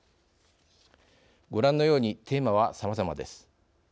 ご覧のようにテーマはさまざまです。